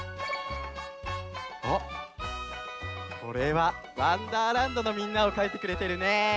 あっこれは「わんだーらんど」のみんなをかいてくれてるね。